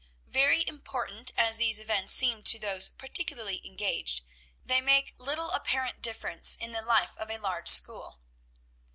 Very important as these events seem to those particularly engaged, they make little apparent difference in the life of a large school.